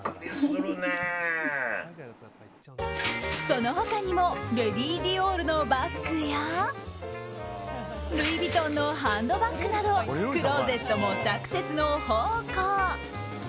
その他にもレディディオールのバッグやルイ・ヴィトンのハンドバッグなどクローゼットもサクセスの宝庫。